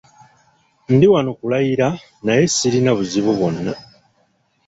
Ndi wano kulayira naye sirina buzibu bwonna.